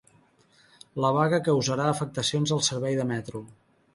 La vaga causarà afectacions al servei de metro